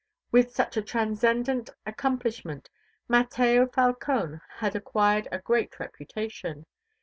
With such a transcendent accomplishment, Mateo Falcone had acquired a great reputation.